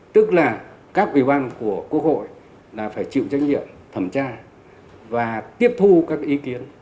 tức là các ủy ban của quốc hội là phải chịu trách nhiệm thẩm tra và tiếp thu các ý kiến